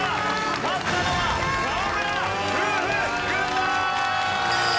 勝ったのは河村夫婦軍団！